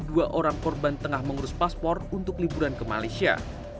dua orang korban tengah mengurus paspor untuk liburan ke malaysia